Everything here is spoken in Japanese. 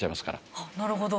あっなるほど。